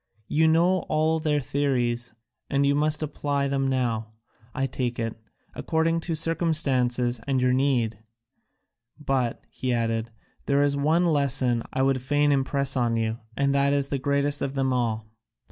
You know all their theories, and you must apply them now, I take it, according to circumstances and your need. But," he added, "there is one lesson that I would fain impress on you, and it is the greatest of them all.